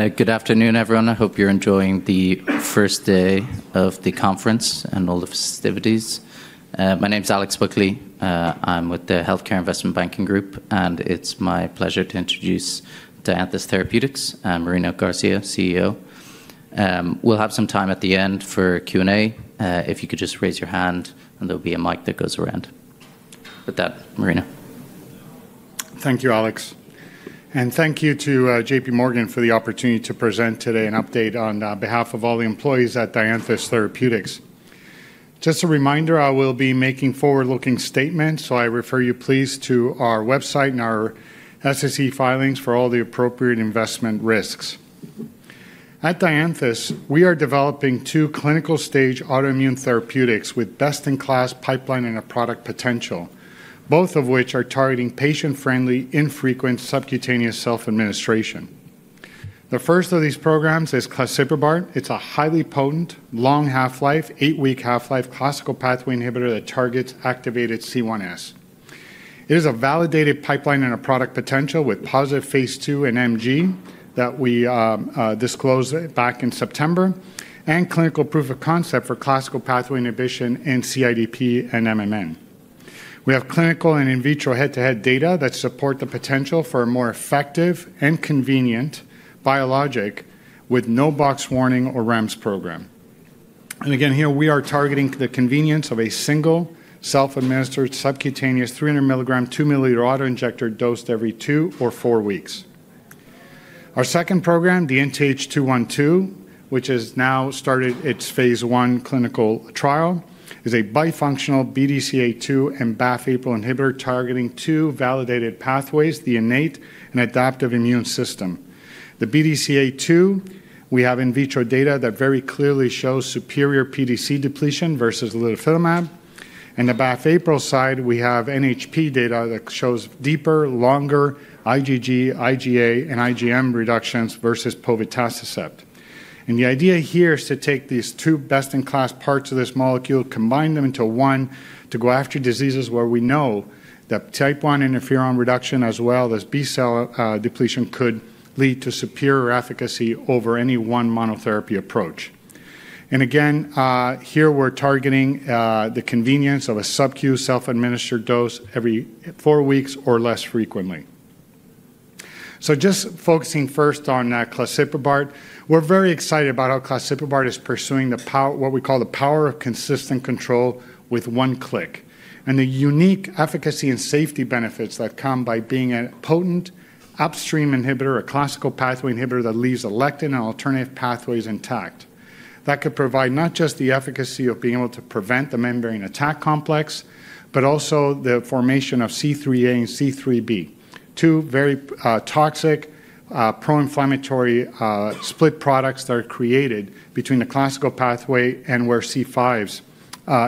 Good afternoon, everyone. I hope you're enjoying the first day of the conference and all the festivities. My name's Alex Buckley. I'm with the Healthcare Investment Banking Group, and it's my pleasure to introduce Dianthus Therapeutics and Marino Garcia, CEO. We'll have some time at the end for Q&A. If you could just raise your hand, and there'll be a mic that goes around. With that, Marino. Thank you, Alex, and thank you to J.P. Morgan for the opportunity to present today an update on behalf of all the employees at Dianthus Therapeutics. Just a reminder, I will be making forward-looking statements, so I refer you please to our website and our SEC filings for all the appropriate investment risks. At Dianthus, we are developing two clinical-stage autoimmune therapeutics with best-in-class pipeline-in-a-product potential, both of which are targeting patient-friendly, infrequent subcutaneous self-administration. The first of these programs is claseprubart. It's a highly potent, long half-life, eight-week half-life classical pathway inhibitor that targets activated C1s. It is a validated pipeline-in-a-product potential with positive phase two in MG that we disclosed back in September, and clinical proof of concept for classical pathway inhibition and CIDP and MMN. We have clinical and in vitro head-to-head data that support the potential for a more effective and convenient biologic with no Box warning or REMS program. And again, here we are targeting the convenience of a single self-administered subcutaneous 300 milligram, two milliliter autoinjector dosed every two or four weeks. Our second program, DNTH212, which has now started its phase 1 clinical trial, is a bifunctional BDCA2 and BAFF/APRIL inhibitor targeting two validated pathways: the innate and adaptive immune system. The BDCA2, we have in vitro data that very clearly shows superior pDC depletion versus litifilimab. And the BAFF/APRIL side, we have NHP data that shows deeper, longer IgG, IgA, and IgM reductions versus povetacicept. And the idea here is to take these two best-in-class parts of this molecule, combine them into one to go after diseases where we know that type I interferon reduction, as well as B-cell depletion, could lead to superior efficacy over any one monotherapy approach. And again, here we're targeting the convenience of a subcu self-administered dose every four weeks or less frequently. So just focusing first on claseprubart, we're very excited about how claseprubart is pursuing what we call the power of consistent control with one click, and the unique efficacy and safety benefits that come by being a potent upstream inhibitor, a classical pathway inhibitor that leaves the lectin and alternative pathways intact. That could provide not just the efficacy of being able to prevent the membrane attack complex, but also the formation of C3a and C3b, two very toxic pro-inflammatory split products that are created between the classical pathway and where C5s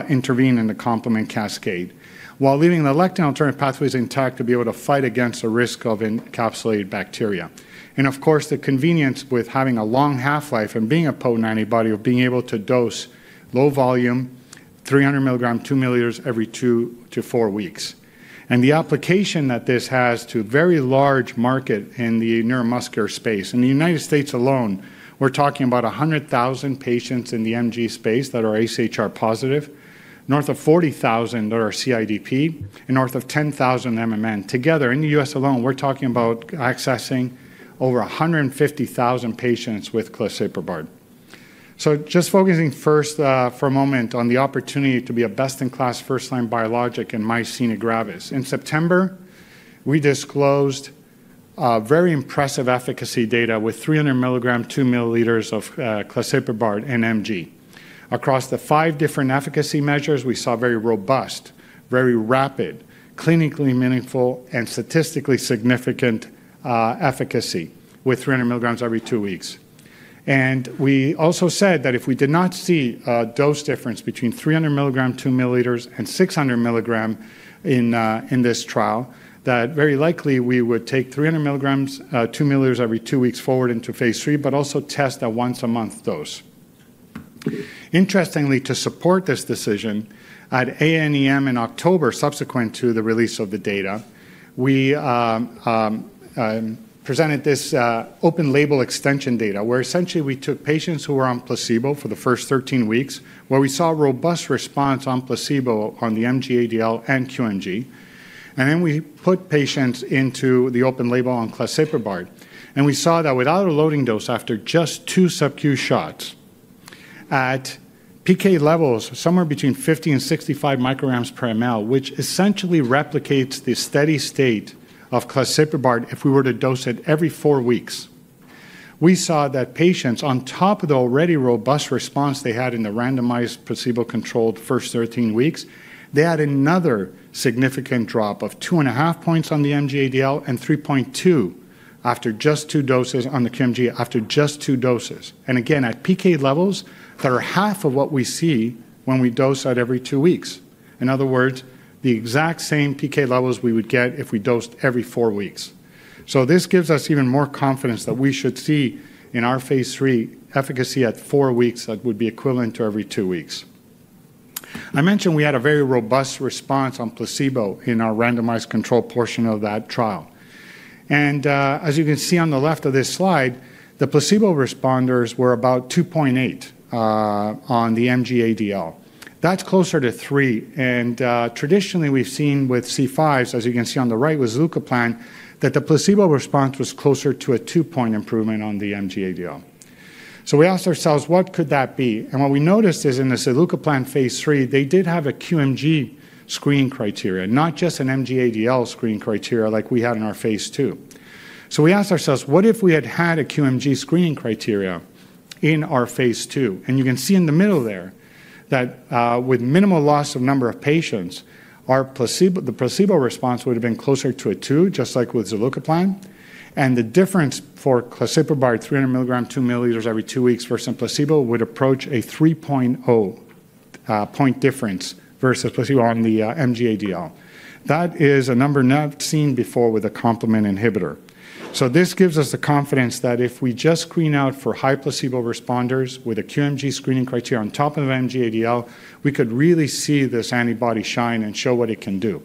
intervene in the complement cascade, while leaving the lectin and alternative pathways intact to be able to fight against the risk of encapsulated bacteria. And of course, the convenience with having a long half-life and being a potent antibody of being able to dose low volume, 300 milligram, two milliliters every two to four weeks. And the application that this has to a very large market in the neuromuscular space. In the United States alone, we're talking about 100,000 patients in the MG space that are AChR positive, north of 40,000 that are CIDP, and north of 10,000 MMN. Together, in the US alone, we're talking about accessing over 150,000 patients with claseprubart. So just focusing first for a moment on the opportunity to be a best-in-class first-line biologic in myasthenia gravis. In September, we disclosed very impressive efficacy data with 300 milligrams, two milliliters of claseprubart and MG. Across the five different efficacy measures, we saw very robust, very rapid, clinically meaningful, and statistically significant efficacy with 300 milligrams every two weeks. And we also said that if we did not see a dose difference between 300 milligrams, two milliliters, and 600 milligrams in this trial, that very likely we would take 300 milligrams, two milliliters every two weeks forward into phase 3, but also test a once-a-month dose. Interestingly, to support this decision, at AANEM in October, subsequent to the release of the data, we presented this open-label extension data where essentially we took patients who were on placebo for the first 13 weeks, where we saw robust response on placebo on the MG-ADL, and QMG. Then we put patients into the open label on claseprubart. We saw that without a loading dose after just two subcu shots, at PK levels, somewhere between 50 and 65 micrograms per ml, which essentially replicates the steady state of claseprubart if we were to dose it every four weeks. We saw that patients, on top of the already robust response they had in the randomized placebo-controlled first 13 weeks, they had another significant drop of two and a half points on the MG-ADL, and 3.2 after just two doses on the QMG after just two doses. Again, at PK levels that are half of what we see when we dose at every two weeks. In other words, the exact same PK levels we would get if we dosed every four weeks. This gives us even more confidence that we should see in our phase three efficacy at four weeks that would be equivalent to every two weeks. I mentioned we had a very robust response on placebo in our randomized control portion of that trial. As you can see on the left of this slide, the placebo responders were about 2.8 on the MG-ADL. That's closer to three. Traditionally, we've seen with C5s, as you can see on the right with zilucoplan, that the placebo response was closer to a two-point improvement on the MG-ADL. We asked ourselves, what could that be? What we noticed is in the zilucoplan phase three, they did have a QMG screening criteria, not just an MG-ADL screening criteria like we had in our phase two. We asked ourselves, what if we had had a QMG screening criteria in our phase two? You can see in the middle there that with minimal loss of number of patients, the placebo response would have been closer to a two, just like with zilucoplan. The difference for claseprubart, 300 milligram, two milliliters every two weeks versus placebo would approach a 3.0 point difference versus placebo on the MG-ADL. That is a number not seen before with a complement inhibitor. So this gives us the confidence that if we just screen out for high placebo responders with a QMG screening criteria on top of MG-ADL, we could really see this antibody shine and show what it can do.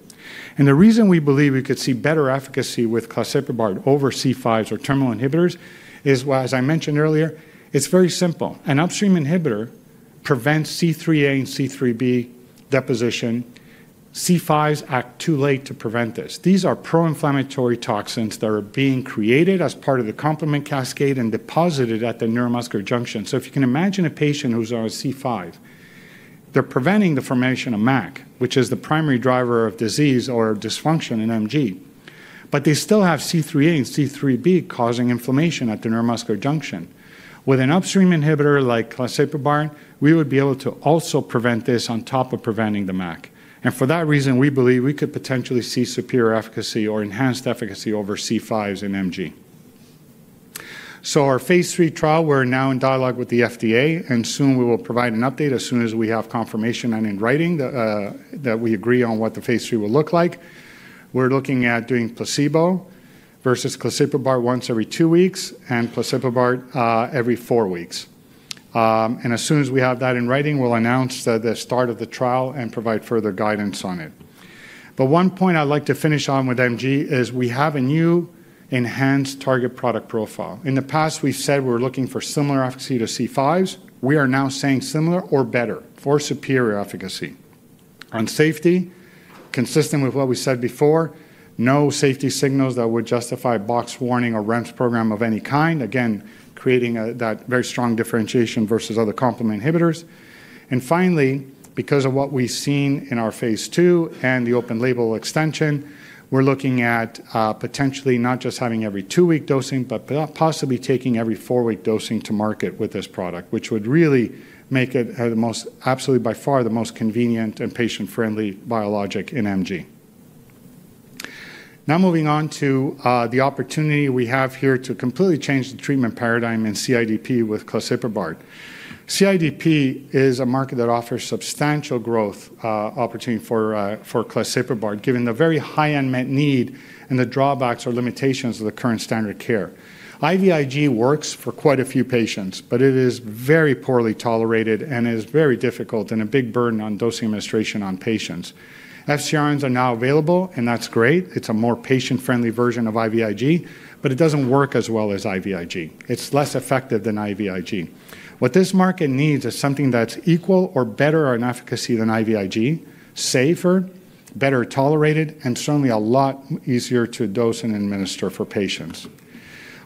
And the reason we believe we could see better efficacy with claseprubart over C5s or terminal inhibitors is, as I mentioned earlier, it's very simple. An upstream inhibitor prevents C3a and C3b deposition. C5s act too late to prevent this. These are pro-inflammatory toxins that are being created as part of the complement cascade and deposited at the neuromuscular junction. So if you can imagine a patient who's on a C5, they're preventing the formation of MAC, which is the primary driver of disease or dysfunction in MG. But they still have C3a and C3b causing inflammation at the neuromuscular junction. With an upstream inhibitor like claseprubart, we would be able to also prevent this on top of preventing the MAC. And for that reason, we believe we could potentially see superior efficacy or enhanced efficacy over C5s and MG. So our phase three trial, we're now in dialogue with the FDA, and soon we will provide an update as soon as we have confirmation and in writing that we agree on what the phase three will look like. We're looking at doing placebo versus claseprubart once every two weeks and claseprubart every four weeks. And as soon as we have that in writing, we'll announce the start of the trial and provide further guidance on it. But one point I'd like to finish on with MG is we have a new enhanced target product profile. In the past, we said we were looking for similar efficacy to C5s. We are now saying similar or better for superior efficacy. On safety, consistent with what we said before, no safety signals that would justify Box warning or REMS program of any kind, again, creating that very strong differentiation versus other complement inhibitors. And finally, because of what we've seen in our phase 2 and the open label extension, we're looking at potentially not just having every two-week dosing, but possibly taking every four-week dosing to market with this product, which would really make it the most, absolutely by far, the most convenient and patient-friendly biologic in MG. Now moving on to the opportunity we have here to completely change the treatment paradigm in CIDP with claseprubart. CIDP is a market that offers substantial growth opportunity for claseprubart, given the very high unmet need and the drawbacks or limitations of the current standard of care. IVIG works for quite a few patients, but it is very poorly tolerated and is very difficult and a big burden on dosing administration on patients. FcRns are now available, and that's great. It's a more patient-friendly version of IVIG, but it doesn't work as well as IVIG. It's less effective than IVIG. What this market needs is something that's equal or better on efficacy than IVIG, safer, better tolerated, and certainly a lot easier to dose and administer for patients.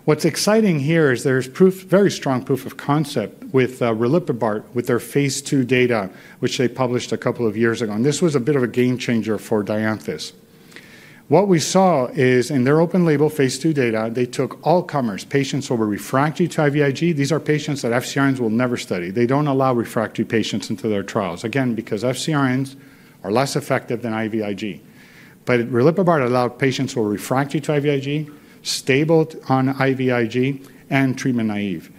What's exciting here is there's very strong proof of concept with riliprubart with their phase two data, which they published a couple of years ago, and this was a bit of a game changer for Dianthus. What we saw is in their open label phase two data, they took all comers, patients who were refractory to IVIG. These are patients that FcRns will never study. They don't allow refractory patients into their trials, again, because FcRns are less effective than IVIG. But riliprubart allowed patients who were refractory to IVIG, stable on IVIG, and treatment naive.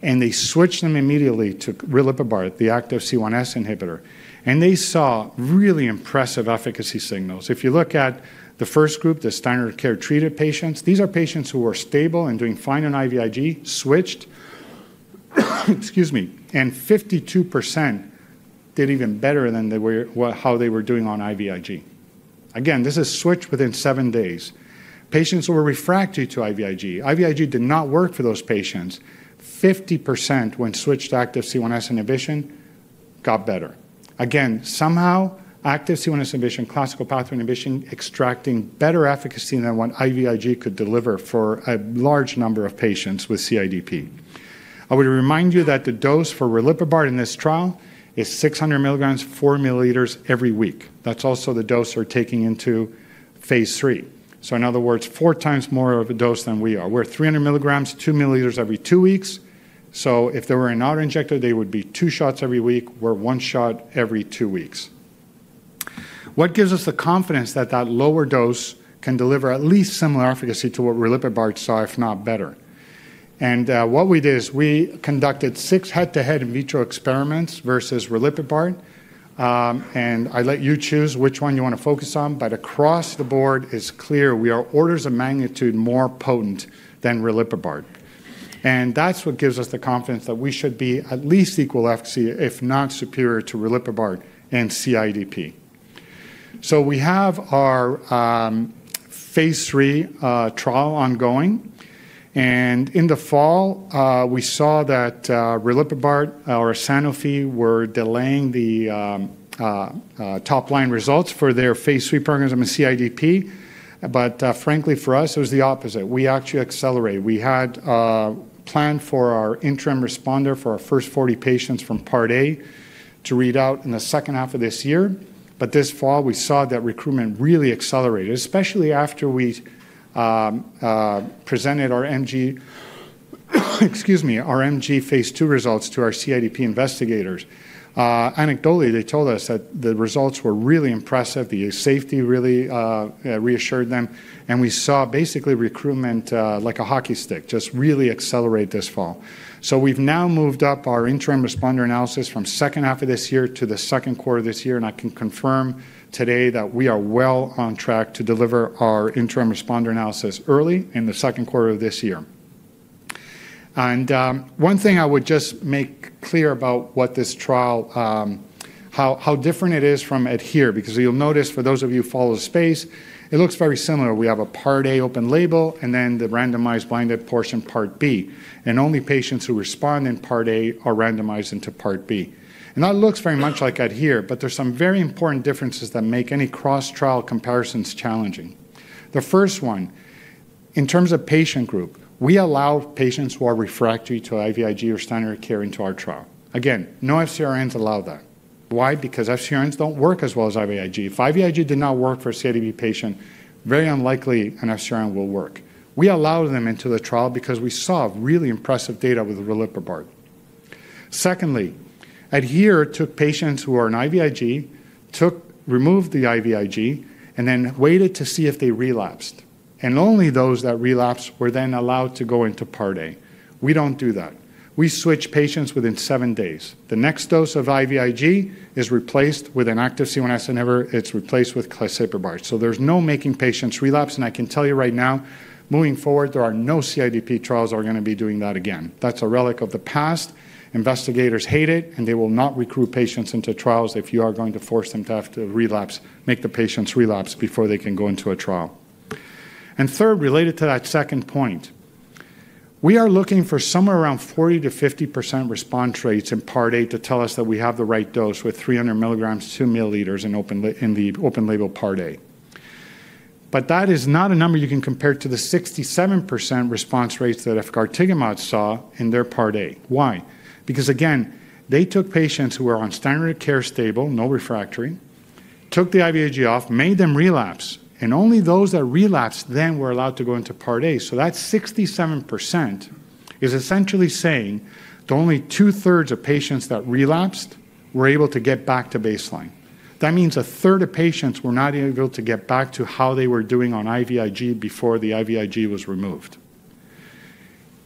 And they switched them immediately to riliprubart, the active C1s inhibitor. And they saw really impressive efficacy signals. If you look at the first group, the standard of care treated patients, these are patients who were stable and doing fine on IVIG, switched, excuse me, and 52% did even better than how they were doing on IVIG. Again, this is switched within seven days. Patients who were refractory to IVIG, IVIG did not work for those patients. 50% when switched to active C1s inhibition got better. Again, somehow active C1s inhibition, classical pathway inhibition, extracting better efficacy than what IVIG could deliver for a large number of patients with CIDP. I would remind you that the dose for riliprubart in this trial is 600 milligrams, four milliliters every week. That's also the dose they're taking into phase three. So in other words, four times more of a dose than we are. We're 300 milligrams, two milliliters every two weeks. So if they were an autoinjector, they would be two shots every week. We're one shot every two weeks. What gives us the confidence that that lower dose can deliver at least similar efficacy to what riliprubart saw, if not better? And what we did is we conducted six head-to-head in vitro experiments versus riliprubart. And I let you choose which one you want to focus on. But across the board, it's clear we are orders of magnitude more potent than riliprubart. That's what gives us the confidence that we should be at least equal efficacy, if not superior to riliprubart and CIDP. We have our phase 3 trial ongoing. In the fall, we saw that riliprubart or Sanofi were delaying the top-line results for their phase 3 programs on CIDP. But frankly, for us, it was the opposite. We actually accelerated. We had planned for our interim responder for our first 40 patients from part A to read out in the second half of this year. But this fall, we saw that recruitment really accelerated, especially after we presented our MG, excuse me, our MG phase 2 results to our CIDP investigators. Anecdotally, they told us that the results were really impressive. The safety really reassured them. We saw basically recruitment like a hockey stick just really accelerate this fall. So we've now moved up our interim responder analysis from second half of this year to the second quarter of this year. And I can confirm today that we are well on track to deliver our interim responder analysis early in the second quarter of this year. And one thing I would just make clear about what this trial, how different it is from ADHERE, because you'll notice for those of you who follow the space, it looks very similar. We have a Part A open label and then the randomized blinded portion Part B. And only patients who respond in Part A are randomized into Part B. And that looks very much like ADHERE, but there's some very important differences that make any cross-trial comparisons challenging. The first one, in terms of patient group, we allow patients who are refractory to IVIG or standard of care into our trial. Again, no FcRns allow that. Why? Because FcRns don't work as well as IVIG. If IVIG did not work for a CIDP patient, very unlikely an FcRn will work. We allowed them into the trial because we saw really impressive data with riliprubart. Secondly, they took patients who are on IVIG, removed the IVIG, and then waited to see if they relapsed. And only those that relapsed were then allowed to go into part A. We don't do that. We switch patients within seven days. The next dose of IVIG is replaced with an active C1s inhibitor. It's replaced with claseprubart. So there's no making patients relapse. And I can tell you right now, moving forward, there are no CIDP trials that are going to be doing that again. That's a relic of the past. Investigators hate it, and they will not recruit patients into trials if you are going to force them to have to relapse, make the patients relapse before they can go into a trial, and third, related to that second point, we are looking for somewhere around 40%-50% response rates in part A to tell us that we have the right dose with 300 milligrams, two milliliters in the open label part A. But that is not a number you can compare to the 67% response rates that efgartigimod saw in their part A. Why? Because again, they took patients who were on standard of care stable, no refractory, took the IVIG off, made them relapse, and only those that relapsed then were allowed to go into part A. That 67% is essentially saying that only two-thirds of patients that relapsed were able to get back to baseline. That means a third of patients were not able to get back to how they were doing on IVIG before the IVIG was removed.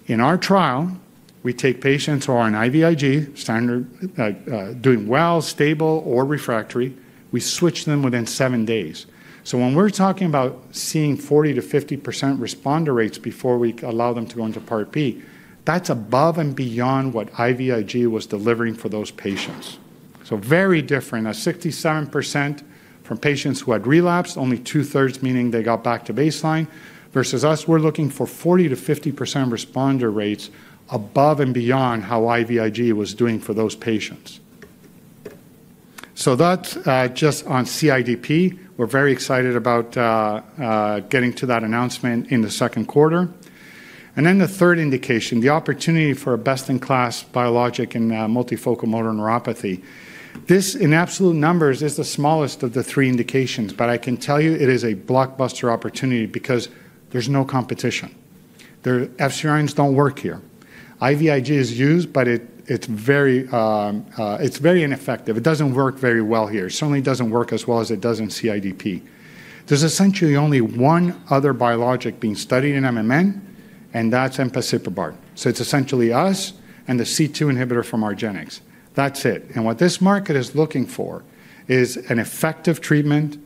In our trial, we take patients who are on IVIG, doing well, stable, or refractory. We switch them within seven days. So when we're talking about seeing 40%-50% responder rates before we allow them to go into part B, that's above and beyond what IVIG was delivering for those patients. So very different. A 67% from patients who had relapsed, only two-thirds, meaning they got back to baseline, versus us, we're looking for 40%-50% responder rates above and beyond how IVIG was doing for those patients. So that's just on CIDP. We're very excited about getting to that announcement in the second quarter. And then the third indication, the opportunity for a best-in-class biologic in multifocal motor neuropathy. This, in absolute numbers, is the smallest of the three indications, but I can tell you it is a blockbuster opportunity because there's no competition. Their FcRns don't work here. IVIG is used, but it's very ineffective. It doesn't work very well here. It certainly doesn't work as well as it does in CIDP. There's essentially only one other biologic being studied in MMN, and that's empasiprubart. So it's essentially us and the C2 inhibitor from Argenx. That's it. And what this market is looking for is an effective treatment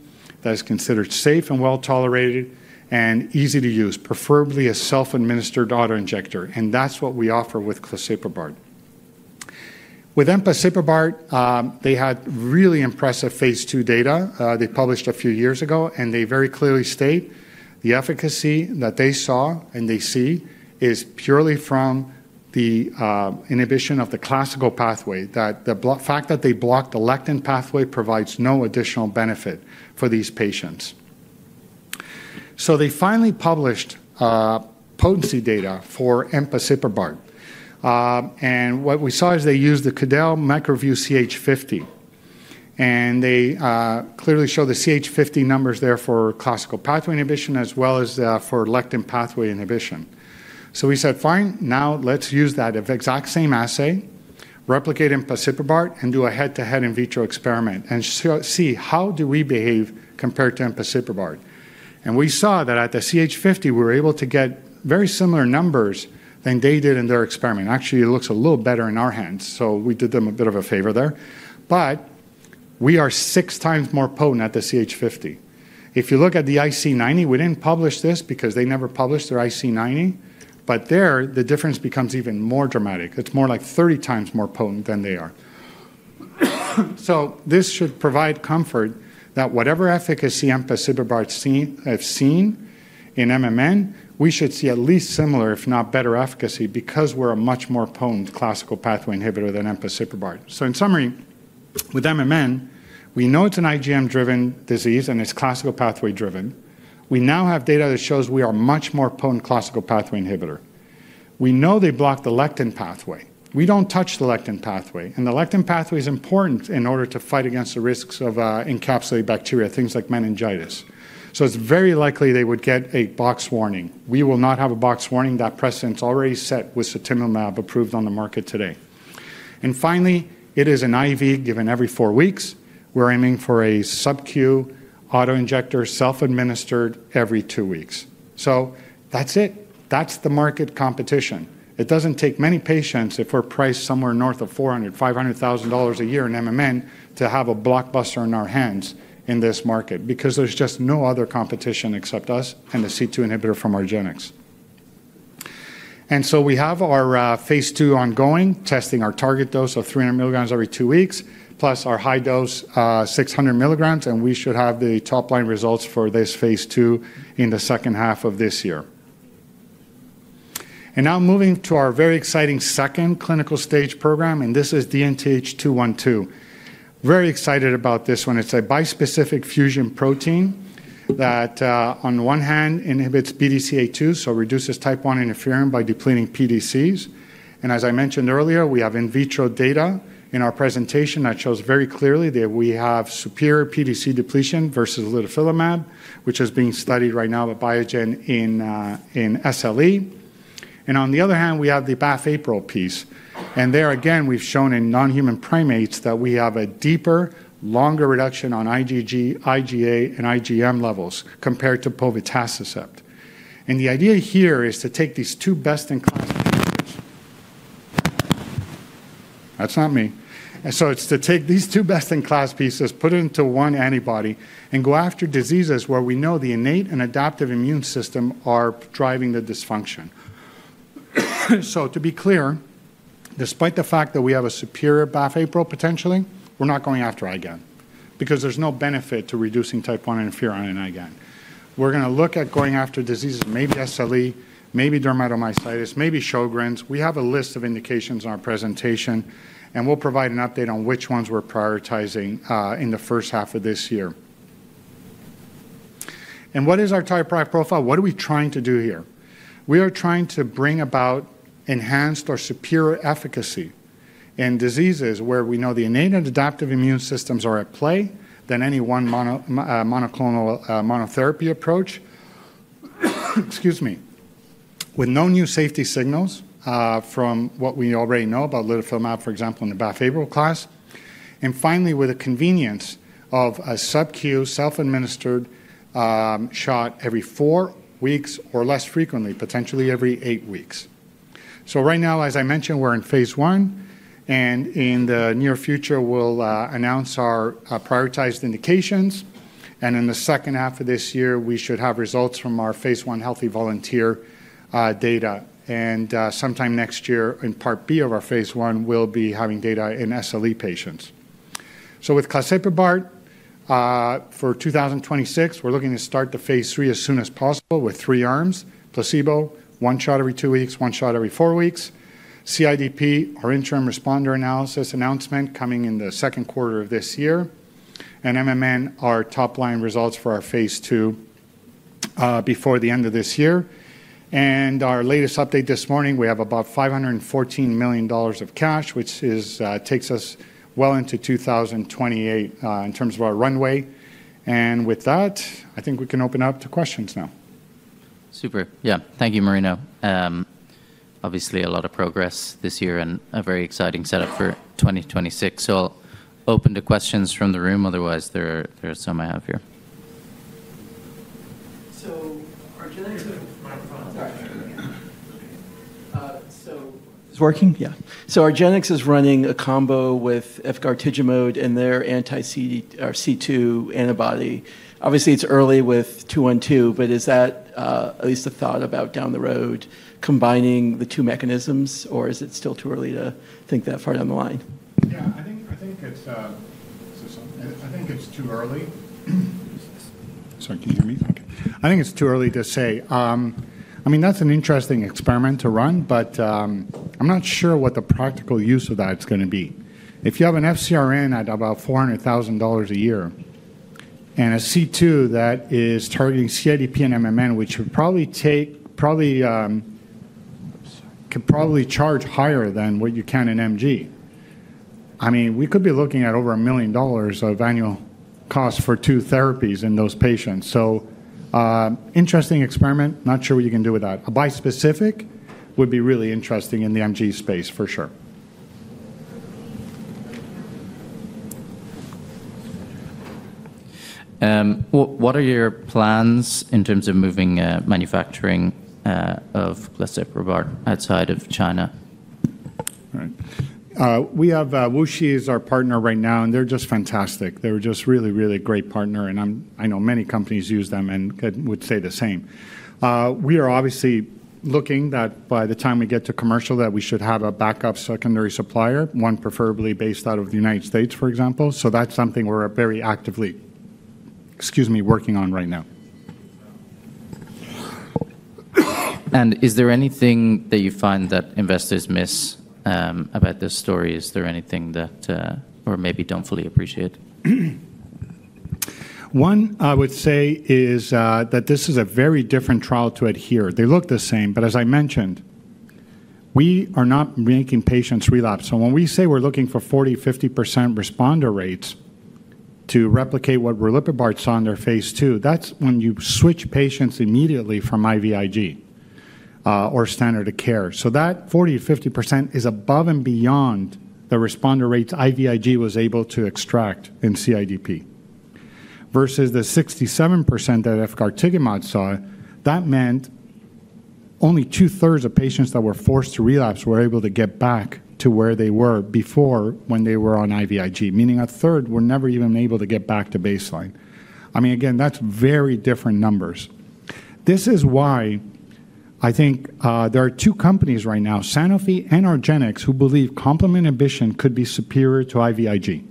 that is considered safe and well tolerated and easy to use, preferably a self-administered autoinjector. And that's what we offer with claseprubart. With empasiprubart, they had really impressive phase two data. They published a few years ago, and they very clearly state the efficacy that they saw and they see is purely from the inhibition of the classical pathway, that the fact that they blocked the lectin pathway provides no additional benefit for these patients. So they finally published potency data for empasiprubart. And what we saw is they used the Quidel MicroVue CH50. And they clearly show the CH50 numbers there for classical pathway inhibition as well as for lectin pathway inhibition. So we said, "Fine, now let's use that exact same assay, replicate empasiprubart and do a head-to-head in vitro experiment and see how do we behave compared to empasiprubart." And we saw that at the CH50, we were able to get very similar numbers than they did in their experiment. Actually, it looks a little better in our hands. So we did them a bit of a favor there. But we are six times more potent at the CH50. If you look at the IC90, we didn't publish this because they never published their IC90. But there, the difference becomes even more dramatic. It's more like 30 times more potent than they are. So this should provide comfort that whatever efficacy empasiprubart has seen in MMN, we should see at least similar, if not better efficacy because we're a much more potent classical pathway inhibitor than empasiprubart. So in summary, with MMN, we know it's an IgM-driven disease and it's classical pathway-driven. We now have data that shows we are a much more potent classical pathway inhibitor. We know they block the lectin pathway. We don't touch the lectin pathway. And the lectin pathway is important in order to fight against the risks of encapsulated bacteria, things like meningitis. It's very likely they would get a Box warning. We will not have a Box warning. That precedent's already set with sutimlimab approved on the market today. And finally, it is an IV given every four weeks. We're aiming for a sub-Q autoinjector self-administered every two weeks. So that's it. That's the market competition. It doesn't take many patients if we're priced somewhere north of $400,000-$500,000 a year in MMN to have a blockbuster in our hands in this market because there's just no other competition except us and the C2 inhibitor from Argenx. And so we have our phase two ongoing, testing our target dose of 300 milligrams every two weeks, plus our high dose 600 milligrams, and we should have the top-line results for this phase two in the second half of this year. Now moving to our very exciting second clinical stage program, and this is DNTH212. Very excited about this one. It's a bispecific fusion protein that, on one hand, inhibits BDCA2, so reduces type I interferon by depleting pDCs. And as I mentioned earlier, we have in vitro data in our presentation that shows very clearly that we have superior pDC depletion versus litifilimab, which is being studied right now with Biogen in SLE. And on the other hand, we have the BAFF/APRIL piece. And there, again, we've shown in non-human primates that we have a deeper, longer reduction on IgG, IgA, and IgM levels compared to povetacicept. And the idea here is to take these two best-in-class pieces. That's not me. It's to take these two best-in-class pieces, put it into one antibody, and go after diseases where we know the innate and adaptive immune system are driving the dysfunction. So to be clear, despite the fact that we have a superior BAFF/APRIL potentially, we're not going after IgAN because there's no benefit to reducing type I interferon in IgAN. We're going to look at going after diseases, maybe SLE, maybe dermatomyositis, maybe Sjogren's. We have a list of indications in our presentation, and we'll provide an update on which ones we're prioritizing in the first half of this year. What is our type profile? What are we trying to do here? We are trying to bring about enhanced or superior efficacy in diseases where we know the innate and adaptive immune systems are at play than any one monoclonal monotherapy approach, excuse me, with no new safety signals from what we already know about litifilimab, for example, in the BAFF/APRIL class, and finally, with a convenience of a sub-Q self-administered shot every four weeks or less frequently, potentially every eight weeks. So right now, as I mentioned, we're in phase one, and in the near future, we'll announce our prioritized indications. And in the second half of this year, we should have results from our phase one healthy volunteer data. And sometime next year in part B of our phase one, we'll be having data in SLE patients. With claseprubart, for 2026, we're looking to start the phase three as soon as possible with three arms: placebo, one shot every two weeks, one shot every four weeks, CIDP, our interim responder analysis announcement coming in the second quarter of this year, and MMN, our top-line results for our phase two before the end of this year. Our latest update this morning, we have about $514 million of cash, which takes us well into 2028 in terms of our runway. With that, I think we can open up to questions now. Super. Yeah. Thank you, Marino. Obviously, a lot of progress this year and a very exciting setup for 2026. I'll open to questions from the room. Otherwise, there are some I have here. Argenx is working? Yeah. Argenx is running a combo with efgartigimod and their anti-C2 antibody. Obviously, it's early with 212, but is that at least a thought about down the road combining the two mechanisms, or is it still too early to think that far down the line? Yeah, I think it's too early. Sorry, can you hear me? Okay. I think it's too early to say. I mean, that's an interesting experiment to run, but I'm not sure what the practical use of that is going to be. If you have an FcRn at about $400,000 a year and a C2 that is targeting CIDP and MMN, which could probably charge higher than what you can in MG, I mean, we could be looking at over a million dollars of annual cost for two therapies in those patients. So interesting experiment, not sure what you can do with that. A bispecific would be really interesting in the MG space, for sure. What are your plans in terms of moving manufacturing of claseprubart outside of China? All right. We have WuXi is our partner right now, and they're just fantastic. They're just a really, really great partner. And I know many companies use them and would say the same. We are obviously looking that by the time we get to commercial, that we should have a backup secondary supplier, one preferably based out of the United States, for example. So that's something we're very actively, excuse me, working on right now. And is there anything that you find that investors miss about this story? Is there anything that, or maybe don't fully appreciate? One I would say is that this is a very different trial to ADHERE. They look the same, but as I mentioned, we are not making patients relapse. So when we say we're looking for 40%-50% responder rates to replicate what litifilimab saw in their phase 2, that's when you switch patients immediately from IVIG or standard of care. So that 40%-50% is above and beyond the responder rates IVIG was able to extract in CIDP. Versus the 67% that efgartigimod saw, that meant only two-thirds of patients that were forced to relapse were able to get back to where they were before when they were on IVIG, meaning a third were never even able to get back to baseline. I mean, again, that's very different numbers. This is why I think there are two companies right now, Sanofi and Argenx, who believe complement inhibition could be superior to IVIG.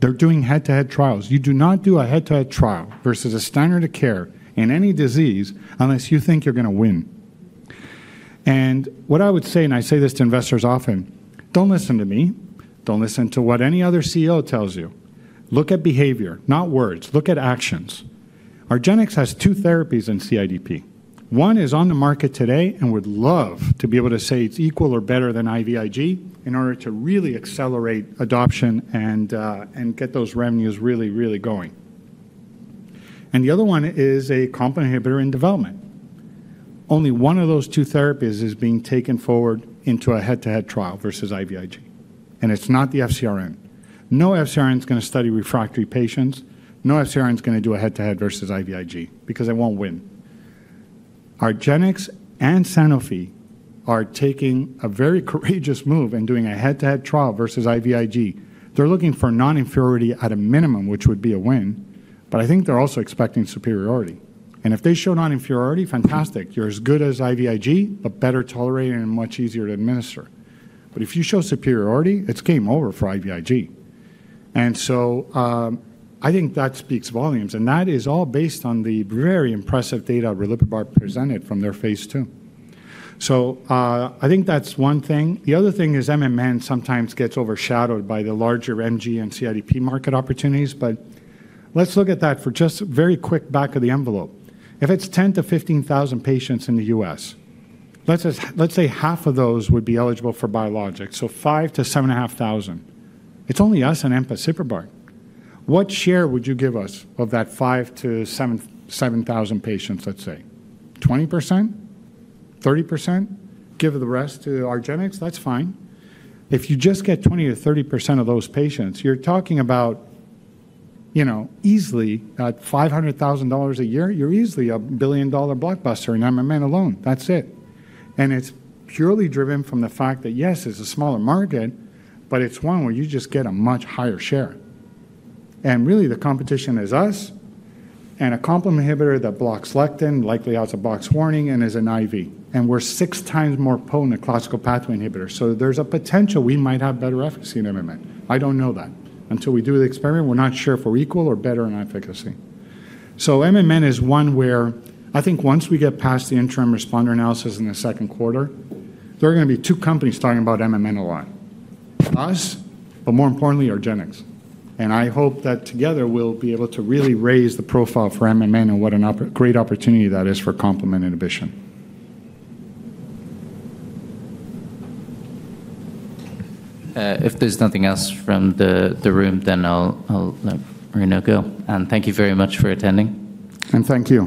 They're doing head-to-head trials. You do not do a head-to-head trial versus a standard of care in any disease unless you think you're going to win. And what I would say, and I say this to investors often, don't listen to me. Don't listen to what any other CEO tells you. Look at behavior, not words. Look at actions. Argenx has two therapies in CIDP. One is on the market today and would love to be able to say it's equal or better than IVIG in order to really accelerate adoption and get those revenues really, really going. And the other one is a complement inhibitor in development. Only one of those two therapies is being taken forward into a head-to-head trial versus IVIG. And it's not the FcRn. No FcRn is going to study refractory patients. No FcRn is going to do a head-to-head versus IVIG because it won't win. Argenx and Sanofi are taking a very courageous move and doing a head-to-head trial versus IVIG. They're looking for non-inferiority at a minimum, which would be a win. But I think they're also expecting superiority. And if they show non-inferiority, fantastic. You're as good as IVIG, but better tolerated and much easier to administer. But if you show superiority, it's game over for IVIG. And so I think that speaks volumes. And that is all based on the very impressive data litifilimab presented from their phase two. So I think that's one thing. The other thing is MMN sometimes gets overshadowed by the larger MG and CIDP market opportunities. But let's look at that for just a very quick back of the envelope. If it's 10,000-15,000 patients in the U.S., let's say half of those would be eligible for biologics. So 5,000-7,500. It's only us and empasiprubart. What share would you give us of that 5,000-7,000 patients, let's say? 20%? 30%? Give the rest to Argenx? That's fine. If you just get 20%-30% of those patients, you're talking about easily at $500,000 a year, you're easily a billion-dollar blockbuster in MMN alone. That's it. And it's purely driven from the fact that, yes, it's a smaller market, but it's one where you just get a much higher share. And really, the competition is us and a complement inhibitor that blocks lectin, likely has a box warning and is an IV. And we're six times more potent than classical pathway inhibitors. So there's a potential we might have better efficacy in MMN. I don't know that. Until we do the experiment, we're not sure if we're equal or better in efficacy. So MMN is one where I think once we get past the interim responder analysis in the second quarter, there are going to be two companies talking about MMN a lot. Us, but more importantly, Argenx. And I hope that together we'll be able to really raise the profile for MMN and what a great opportunity that is for complement inhibition. If there's nothing else from the room, then I'll let Marino go. And thank you very much for attending. And thank you.